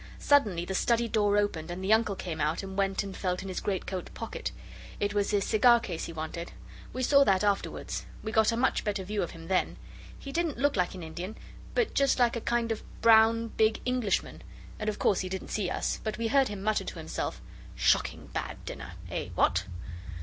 Suddenly the study door opened and the Uncle came out and went and felt in his greatcoat pocket. It was his cigar case he wanted. We saw that afterwards. We got a much better view of him then. He didn't look like an Indian but just like a kind of brown, big Englishman, and of course he didn't see us, but we heard him mutter to himself 'Shocking bad dinner! Eh! what?